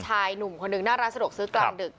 ชายหนุ่มคนหนึ่งน่าราสะดวกซึ้อกลางดึก